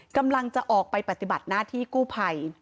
กำลังจะออกไปปฏิบัติหน้าที่กู้ภัย